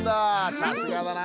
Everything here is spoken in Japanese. さすがだな。